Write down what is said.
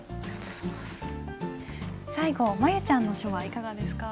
最後舞悠ちゃんの書はいかがですか？